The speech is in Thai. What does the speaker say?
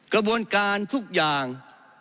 กระบวนการทุกอย่าง